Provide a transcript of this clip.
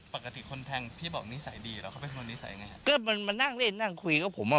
ปกติคนเป็นนี่สาวดีก็ด้านนอกนี้นางคุยเขาผมอ่ะ